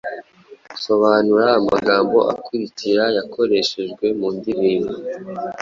Sobanura amagambo akurikira yakoreshejwe mu ndirimbo: